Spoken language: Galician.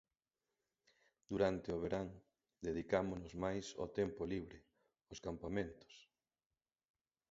Durante o verán, dedicámonos máis ao tempo libre, aos campamentos.